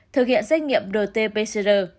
thực hiện xét nghiệm rt pcr